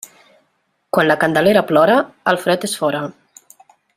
Quan la Candelera plora, el fred és fora.